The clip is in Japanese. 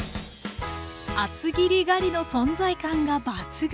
厚切りガリの存在感が抜群！